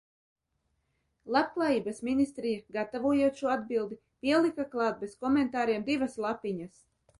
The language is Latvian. Labklājības ministrija, gatavojot šo atbildi, pielika klāt bez komentāriem divas lapiņas.